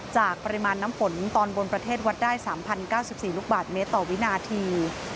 ปริมาณน้ำฝนตอนบนประเทศวัดได้๓๐๙๔ลูกบาทเมตรต่อวินาที